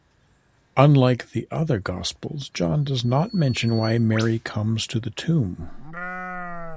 Unlike the other gospels John does not mention why Mary comes to the tomb.